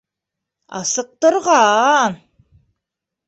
Асыҡтырған.